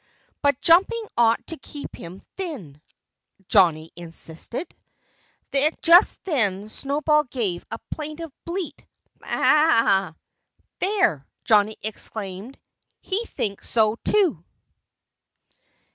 "But jumping ought to keep him thin," Johnnie insisted. Just then Snowball gave a plaintive bleat: "Baa a a a!" "There!" Johnnie exclaimed. "He thinks so, too!"